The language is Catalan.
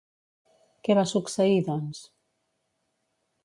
Què va succeir, doncs?